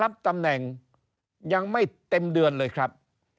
รับตำแหน่งยังไม่เต็มเดือนเลยครับ